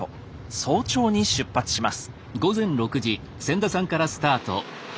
早朝に出発します。